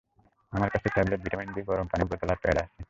আমার কাছে tablet, vitamin B, গরম পানির বোতল আর প্যাড আছে।